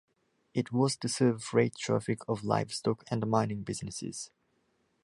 It was to serve freight traffic of livestock and mining businesses.